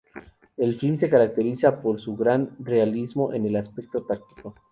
El film se caracteriza por su gran realismo en el aspecto táctico.